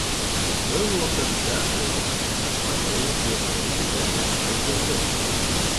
Был ваҡытта ҡояш та арыу уҡ юғары күтәрелергә өлгөрҙө.